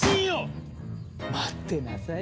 待ってなさい